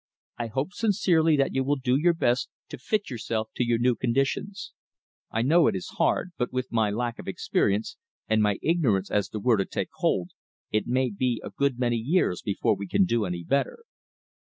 I hope sincerely that you will do your best to fit yourself to your new conditions. I know it is hard, but with my lack of experience and my ignorance as to where to take hold, it may be a good many years before we can do any better."